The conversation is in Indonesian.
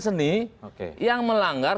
seni yang melanggar